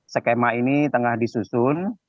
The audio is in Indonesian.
skema ini tengah disusun